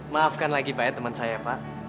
maafkan lagi banyak teman saya pak